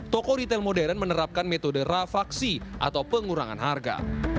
toko retail modern menerapkan metode rafaksi atau pengurangan harga